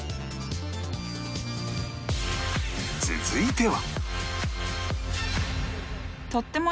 続いては